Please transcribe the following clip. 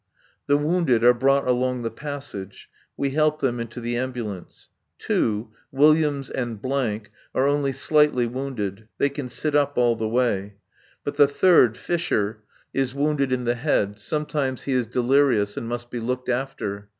The wounded are brought along the passage. We help them into the ambulance. Two, Williams and , are only slightly wounded; they can sit up all the way. But the third, Fisher, is wounded in the head. Sometimes he is delirious and must be looked after.